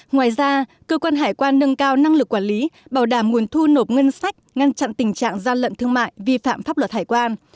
ngoài ra cơ quan hải quan nâng cao năng lực quản lý bảo đảm nguồn thu nộp ngân sách ngăn chặn tình trạng gian lận thương mại vi phạm pháp luật hải quan